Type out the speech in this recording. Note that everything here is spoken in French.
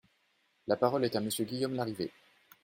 La parole est à Monsieur Guillaume Larrivé.